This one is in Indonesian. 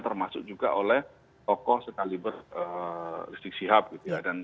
termasuk juga oleh tokoh sekaliber risikosihab gitu ya